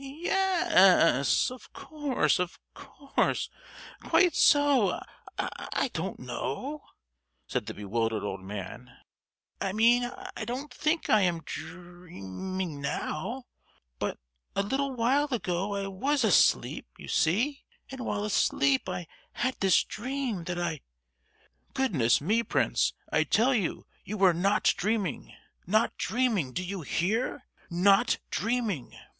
"Ye—yes, of course, of course—quite so. I don't know," said the bewildered old man. "I mean, I don't think I am drea—ming now; but, a little while ago I was asleep, you see; and while asleep I had this dream, that I——" "Goodness me, Prince, I tell you you were not dreaming. Not dreaming, do you hear? Not dreaming!